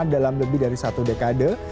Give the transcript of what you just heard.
dalam lebih dari satu dekade